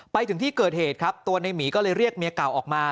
ไปถึงที่เกิดเหตุครับตัวในหมีก็เลยเรียกเมียเก่าออกมา